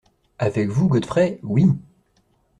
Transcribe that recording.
Avec vous, Godfrey... oui!